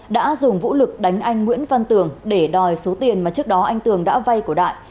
đã dùng vũ lực đánh anh nguyễn văn tường để đòi số tiền mà trước đó anh tường đã vay của đại